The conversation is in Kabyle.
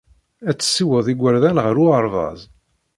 Ad tessiweḍ igerdan ɣer uɣerbaz.